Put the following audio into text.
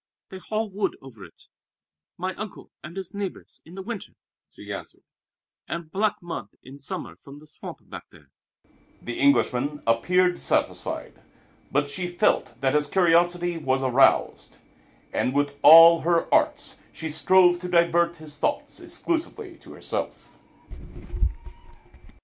"They haul wood over it, my uncle and his neighbors, in the winter," she answered, "and black mud in summer from the swamp back there." The Englishman appeared satisfied; but she felt that his curiosity was aroused, and with all her arts she strove to divert his thoughts exclusively to herself.